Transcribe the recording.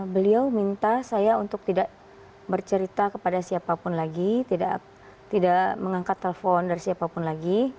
beliau minta saya untuk tidak bercerita kepada siapapun lagi tidak mengangkat telepon dari siapapun lagi